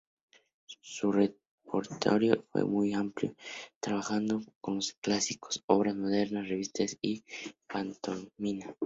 Su repertorio fue muy amplio, trabajando con los clásicos, obras modernas, revista y pantomima.